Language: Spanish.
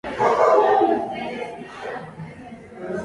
Más recientemente, se integró en el Global Spirit Tour en todas las fechas.